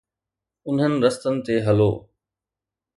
انهن رستن تي هلو.